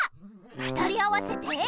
ふたりあわせて。